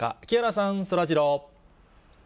木原さん、そらジロー。